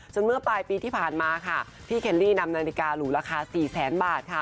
เมื่อปลายปีที่ผ่านมาค่ะพี่เคลลี่นำนาฬิกาหรูราคา๔แสนบาทค่ะ